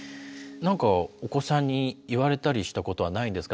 何かお子さんに言われたりしたことはないんですか？